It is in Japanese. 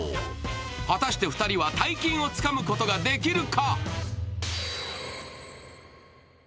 果たして２人は大金をつかむことができるか？